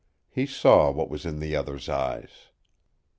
He saw what was in the other's eyes.